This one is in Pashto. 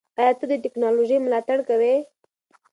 ایا ته د ټیکنالوژۍ ملاتړ کوې؟